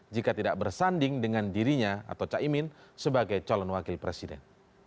jika tidak bersanding dengan dirinya atau caimin sebagai calon wakil presiden